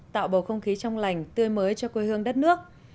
tạo bầu không khí trong lành tươi mới cho quê hương đất nước